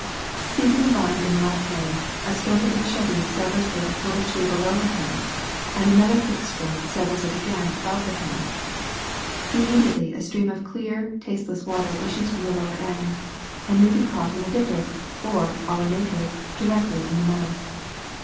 Seizing the vine in the left hand, a stroke of the niachHe severs it a foot or two below the hand, and another quick stroke severs it again above the hand ; immediately a stream of clear, tasteless water issues from the lower end and may be caught in a dipper or d la native directly in the mouth.